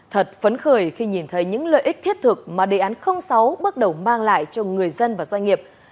thật phấn khởi khi nhìn thấy những lợi ích thiết thực mà đề án sáu bước đầu mang lại cho người dân và doanh nghiệp